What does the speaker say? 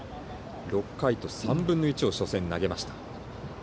６回と３分の１を初戦、投げました。